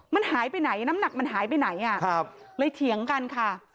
มันหายไปไหนน้ำหนักมันหายไปไหนเลยเถียงกันค่ะ